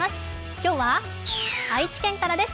今日は愛知県からです。